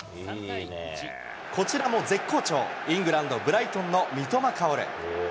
こちらも絶好調、イングランド・ブライトンの三笘薫。